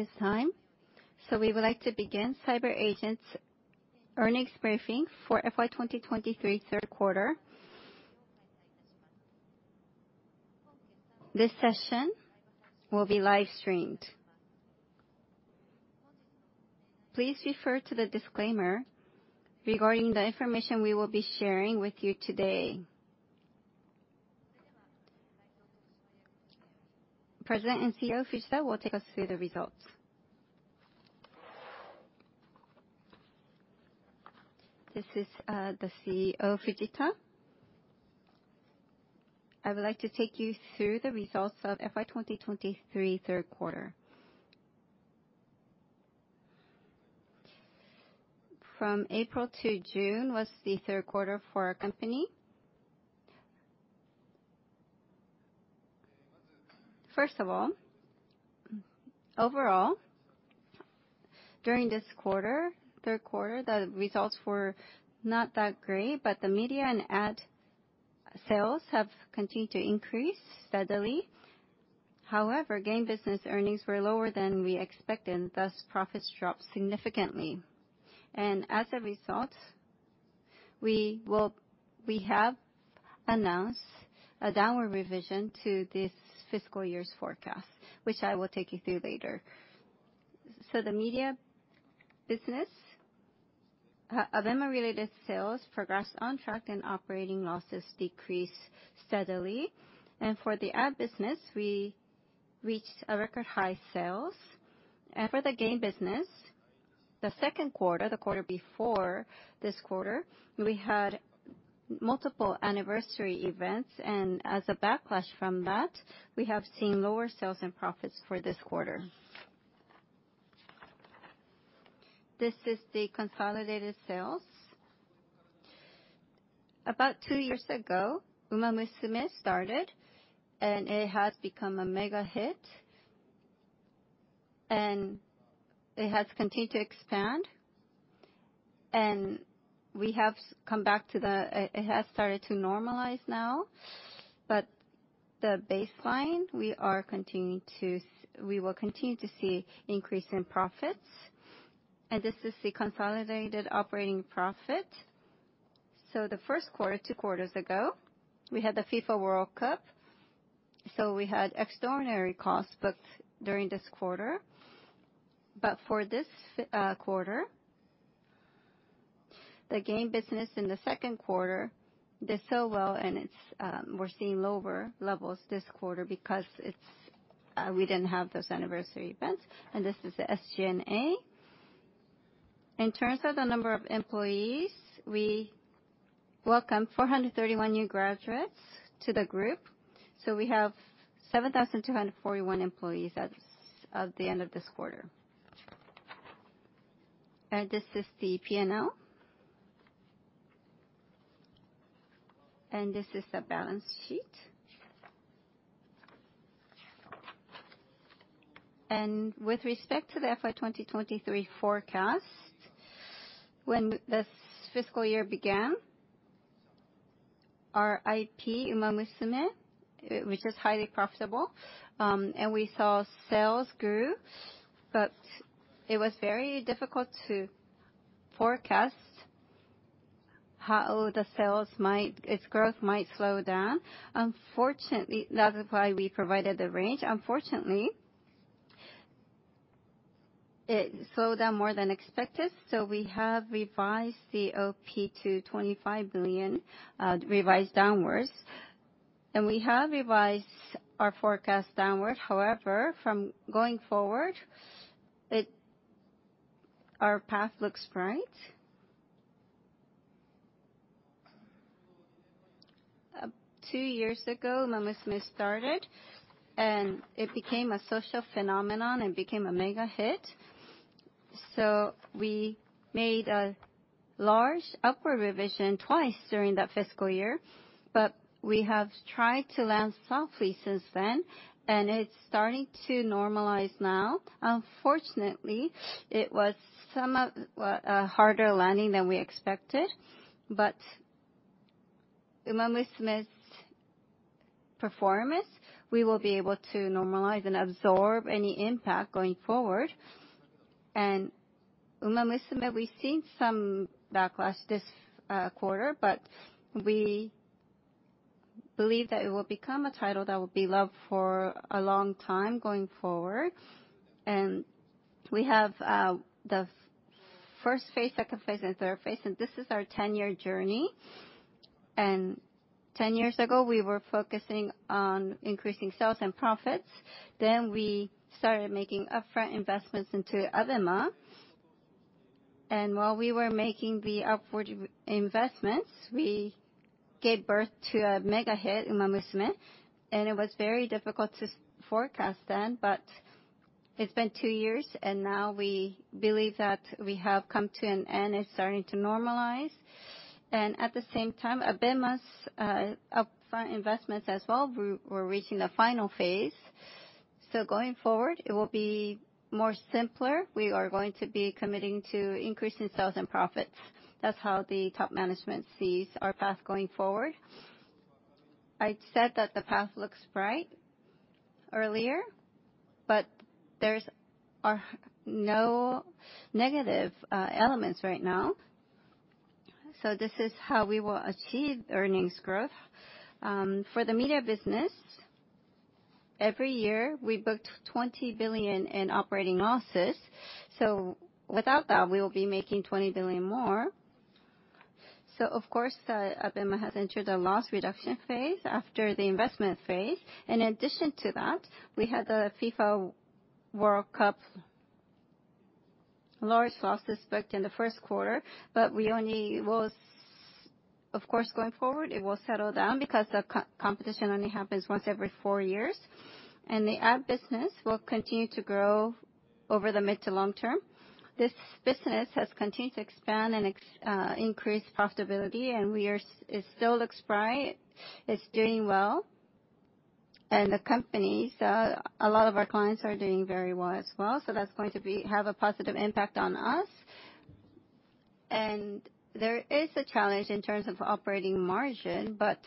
It is time. We would like to begin CyberAgent's earnings briefing for FY 2023, third quarter. This session will be live streamed. Please refer to the disclaimer regarding the information we will be sharing with you today. President and CEO, Fujita, will take us through the results. This is the CEO, Fujita. I would like to take you through the results of FY 2023, third quarter. From April to June was the third quarter for our company. First of all, overall, during this quarter, third quarter, the results were not that great. The media and ad sales have continued to increase steadily. Game business earnings were lower than we expected, and thus, profits dropped significantly. As a result, we have announced a downward revision to this fiscal year's forecast, which I will take you through later. The media business, ABEMA-related sales progressed on track, and operating losses decreased steadily. For the ad business, we reached a record high sales. For the game business, the second quarter, the quarter before this quarter, we had multiple anniversary events, and as a backlash from that, we have seen lower sales and profits for this quarter. This is the consolidated sales. About two years ago, Umamusume started, and it has become a mega hit, and it has continued to expand, and it has started to normalize now. The baseline, we will continue to see increase in profits. This is the consolidated operating profit. The first quarter, two quarters ago, we had the FIFA World Cup, so we had extraordinary costs booked during this quarter. For this quarter, the game business in the second quarter did so well, and it's, we're seeing lower levels this quarter because it's, we didn't have those anniversary events. This is the SG&A. In terms of the number of employees, we welcomed 431 new graduates to the group, so we have 7,241 employees as, of the end of this quarter. This is the P&L. This is the balance sheet. With respect to the FY 2023 forecast, when this fiscal year began, our IP, Umamusume, which is highly profitable, and we saw sales grew, but it was very difficult to forecast how the sales might, its growth might slow down. Unfortunately, that's why we provided the range. Unfortunately, it slowed down more than expected, so we have revised the OP to 25 billion, revised downwards, and we have revised our forecast downward. However, from going forward, our path looks bright. Two years ago, Umamusume started, and it became a social phenomenon and became a mega hit. We made a large upward revision twice during that fiscal year, but we have tried to land softly since then, and it's starting to normalize now. Unfortunately, it was somewhat, well, a harder landing than we expected, but Umamusume's performance, we will be able to normalize and absorb any impact going forward. Umamusume, we've seen some backlash this quarter, but we believe that it will become a title that will be loved for a long time going forward. We have, the first phase, second phase, and third phase, and this is our 10-year journey. 10 years ago, we were focusing on increasing sales and profits, then we started making upfront investments into ABEMA. While we were making the upward investments, we gave birth to a mega hit, Umamusume, and it was very difficult to forecast then. It's been two years, and now we believe that we have come to an end. It's starting to normalize. At the same time, ABEMA's, upfront investments as well, we're reaching the final phase. Going forward, it will be more simpler. We are going to be committing to increasing sales and profits. That's how the top management sees our path going forward. I said that the path looks bright earlier, but there's are no negative, elements right now. This is how we will achieve earnings growth. For the media business, every year, we booked 20 billion in operating losses, so without that, we will be making 20 billion more. Of course, the ABEMA has entered a loss reduction phase after the investment phase. In addition to that, we had the FIFA World Cup large losses booked in the 1st quarter, but we only, of course, going forward, it will settle down because the competition only happens once every four years. The ad business will continue to grow over the mid to long term. This business has continued to expand and increase profitability, and it still looks bright. It's doing well. The company, so a lot of our clients are doing very well as well, so that's going to be, have a positive impact on us. There is a challenge in terms of operating margin, but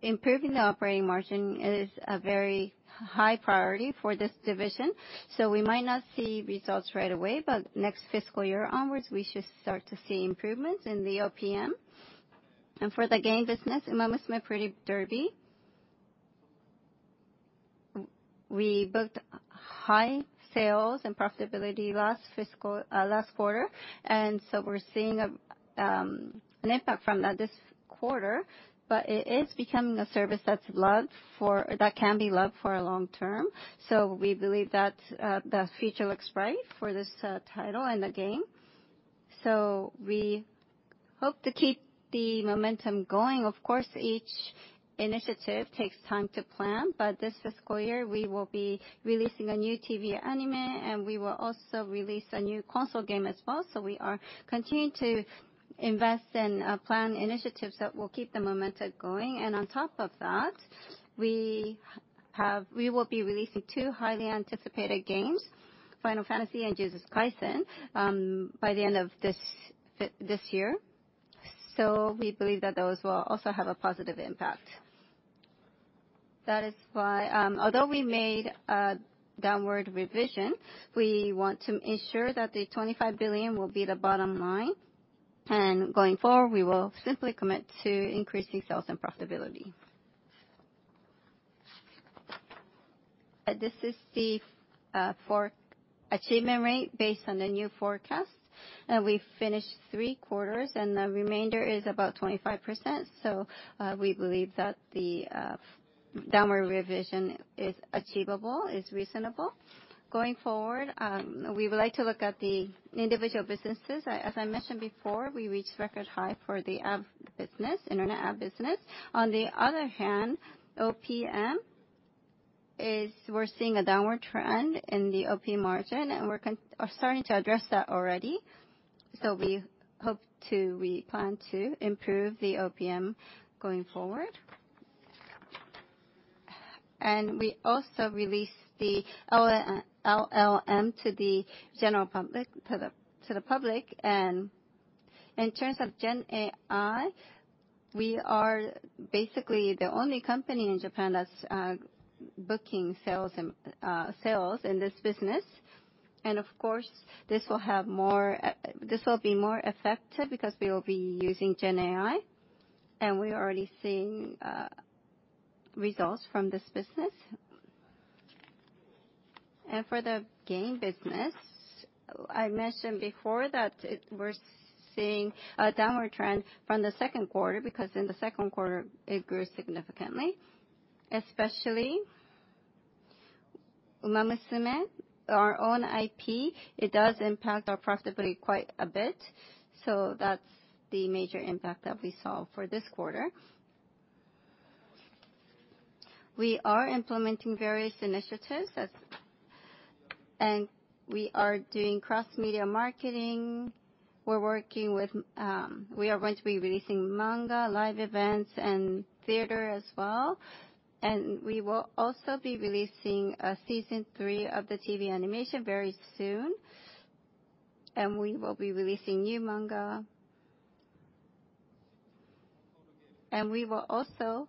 improving the operating margin is a very high priority for this division. We might not see results right away, but next fiscal year onwards, we should start to see improvements in the OPM. For the gaming business, Umamusume: Pretty Derby, we booked high sales and profitability last fiscal, last quarter, and we're seeing an impact from that this quarter. It is becoming a service that can be loved for a long term. We believe that the future looks bright for this title and the game. We hope to keep the momentum going. Of course, each initiative takes time to plan. This fiscal year, we will be releasing a new TV anime, and we will also release a new console game as well. We are continuing to invest in plan initiatives that will keep the momentum going. On top of that, we will be releasing two highly anticipated games, Final Fantasy and Jujutsu Kaisen, by the end of this year. We believe that those will also have a positive impact. That is why, although we made a downward revision, we want to ensure that the 25 billion will be the bottom line, and going forward, we will simply commit to increasing sales and profitability. This is the for achievement rate based on the new forecast. We finished three quarters, and the remainder is about 25%, we believe that the downward revision is achievable, is reasonable. Going forward, we would like to look at the individual businesses. As I mentioned before, we reached record high for the ad business, internet ad business. On the other hand, OPM is we're seeing a downward trend in the OP margin, and we're starting to address that already. We hope to, we plan to improve the OPM going forward. We also released the LLM to the general public, to the public. In terms of Gen AI, we are basically the only company in Japan that's booking sales and sales in this business. Of course, this will have more, this will be more effective because we will be using Gen AI, and we are already seeing results from this business. For the game business, I mentioned before that we're seeing a downward trend from the second quarter, because in the second quarter, it grew significantly. Especially, Umamusume, our own IP, it does impact our profitability quite a bit, so that's the major impact that we saw for this quarter. We are implementing various initiatives and we are doing cross-media marketing. We're working with, we are going to be releasing manga, live events, and theater as well. We will also be releasing a Season 3 of the TV animation very soon, and we will be releasing new manga. We will also,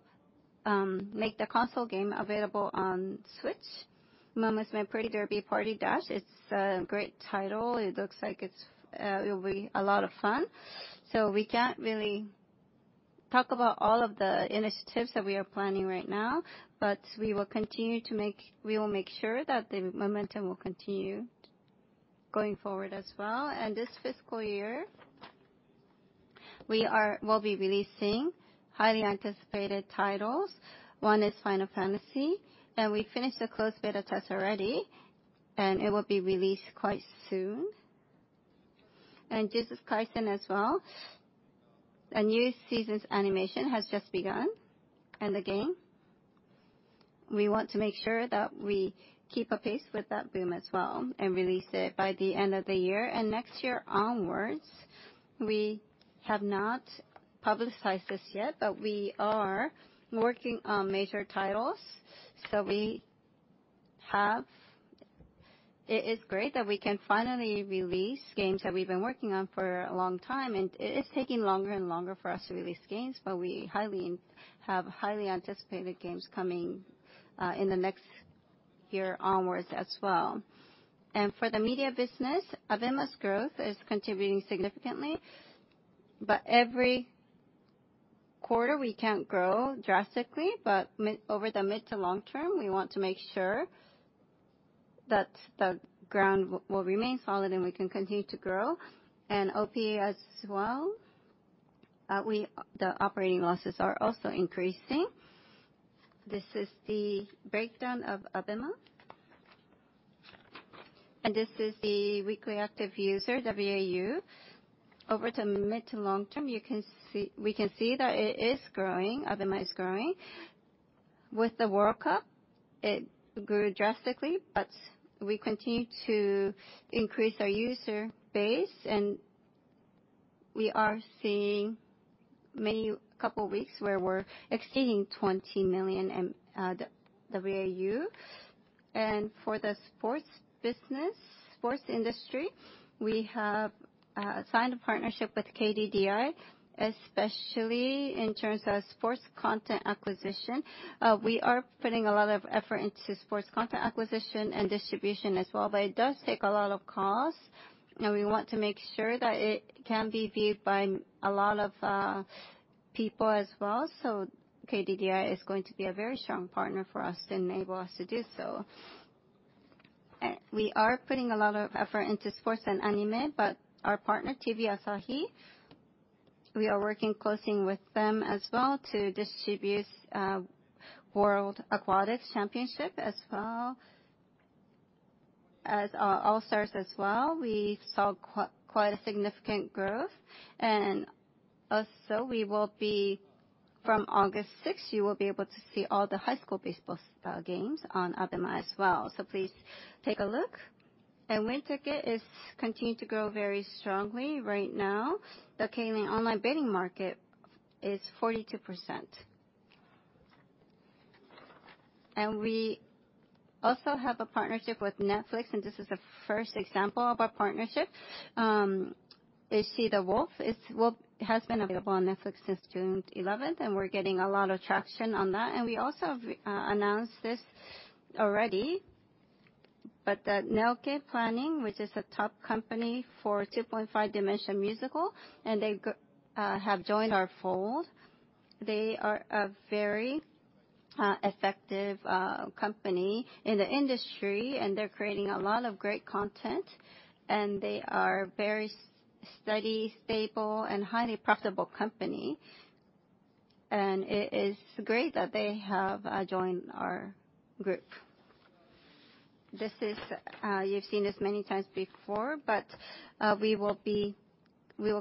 make the console game available on Switch. Umamusume: Pretty Derby Party Dash! It's a great title. It looks like it's, it'll be a lot of fun. We can't really talk about all of the initiatives that we are planning right now, but we will make sure that the momentum will continue going forward as well. This fiscal year, we will be releasing highly anticipated titles. One is Final Fantasy, and we finished the closed beta test already, and it will be released quite soon. Jujutsu Kaisen as well. A new season's animation has just begun, and the game. We want to make sure that we keep apace with that boom as well and release it by the end of the year. Next year onwards, we have not publicized this yet, but we are working on major titles. We have. It is great that we can finally release games that we've been working on for a long time, and it is taking longer and longer for us to release games, but we have highly anticipated games coming in the next year onwards as well. For the media business, ABEMA's growth is contributing significantly, but every quarter we can't grow drastically. Over the mid to long term, we want to make sure that the ground will remain solid, and we can continue to grow. OP as well, the operating losses are also increasing. This is the breakdown of ABEMA, and this is the weekly active user, WAU. Over to mid to long term, we can see that it is growing, ABEMA is growing. With the World Cup, it grew drastically, but we continue to increase our user base, and we are seeing many couple weeks where we're exceeding 20 million in WAU. For the sports business, sports industry, we have signed a partnership with KDDI, especially in terms of sports content acquisition. We are putting a lot of effort into sports content acquisition and distribution as well, but it does take a lot of cost, and we want to make sure that it can be viewed by a lot of people as well. KDDI is going to be a very strong partner for us to enable us to do so. We are putting a lot of effort into sports and anime, but our partner, TV Asahi, we are working closely with them as well to distribute World Aquatics Championships, as well as All-Stars as well. We saw quite a significant growth. We will be, from August 6, you will be able to see all the high school baseball games on ABEMA as well. Please take a look. WINTICKET is continuing to grow very strongly. Right now, the online bidding market is 42%. We also have a partnership with Netflix, and this is the first example of our partnership. Is She the Wolf? It has been available on Netflix since June 11th, and we're getting a lot of traction on that. We also have announced this already, but that Nelke Planning, which is a top company for 2.5-dimensional musical, and they have joined our fold. They are a very effective company in the industry, and they're creating a lot of great content, and they are very steady, stable, and highly profitable company. It is great that they have joined our group. This is, you've seen this many times before, but we will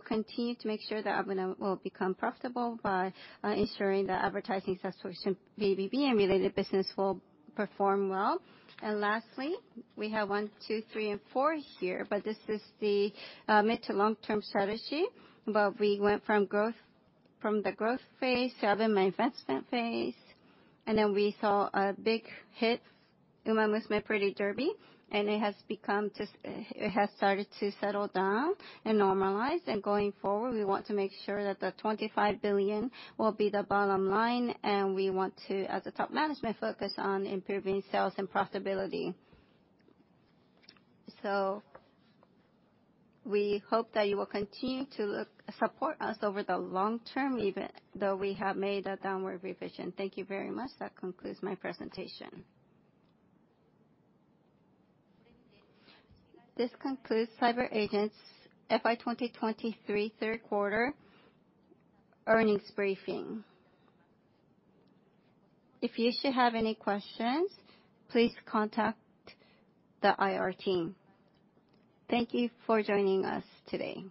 continue to make sure that ABEMA will become profitable by ensuring the advertising association, VBB, and related business will perform well. Lastly, we have one, two, three, and four here, but this is the mid to long-term strategy. We went from the growth phase to ABEMA investment phase, and then we saw a big hit, Umamusume: Pretty Derby, and it has started to settle down and normalize. Going forward, we want to make sure that the 25 billion will be the bottom line, and we want to, as a top management, focus on improving sales and profitability. We hope that you will continue to support us over the long term, even though we have made a downward revision. Thank you very much. That concludes my presentation. This concludes CyberAgent's FY 2023 third quarter earnings briefing. If you should have any questions, please contact the IR team. Thank you for joining us today.